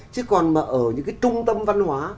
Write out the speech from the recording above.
chứ còn mà ở những cái trung tâm văn hóa